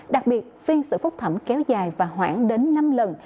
đặc biệt phiên sự phúc thẩm kéo dài và hoãn đến năm lần